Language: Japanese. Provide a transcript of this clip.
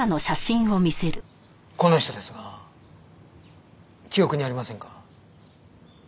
この人ですが記憶にありませんか？